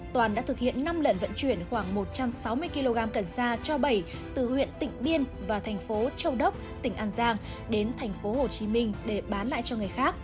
toàn đã thực hiện năm lần vận chuyển khoảng một trăm sáu mươi kg cần xa cho bảy từ huyện tịnh biên và tp châu đốc tỉnh an giang đến tp hcm để bán lại cho người khác